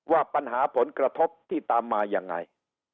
ว่าปัญหาผลกระทบที่ตามมายังไง